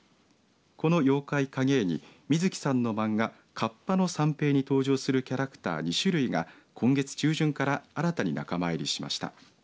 この妖怪影絵に水木さんの漫画河童の三平に登場するキャラクター２種類が今月中旬から新たに仲間入りしました。